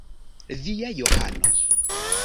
Via Johano.